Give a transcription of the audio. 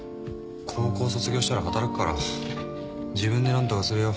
高校卒業したら働くから自分で何とかするよ